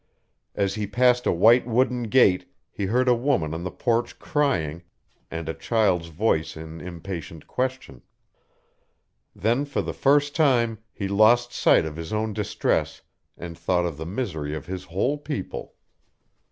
As he passed a white wooden gate he heard a woman on the porch crying, and a child's voice in impatient question. Then for the first time he lost sight of his own distress and thought of the misery of his whole people.